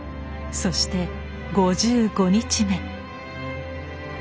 そして５５日目。